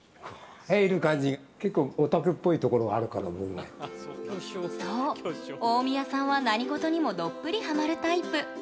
え⁉そう大宮さんは何事にもどっぷりハマるタイプ。